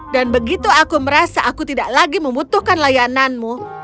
dan begitu aku merasa aku tidak lagi membutuhkan layananmu